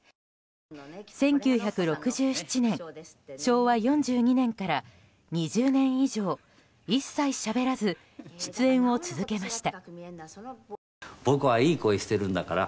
１９６７年、昭和４２年から２０年以上一切しゃべらず出演を続けました。